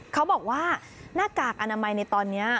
เขาบอกว่าหน้ากากอนามัยในตอนนี้